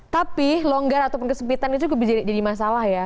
tapi longgar ataupun kesempitan itu jadi masalah ya